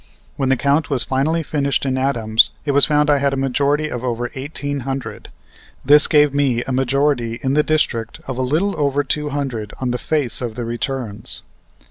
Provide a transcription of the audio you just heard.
When the count was finally finished in Adams it was found I had a majority of over eighteen hundred. This gave me a majority in the district of a little over two hundred on the face of the returns.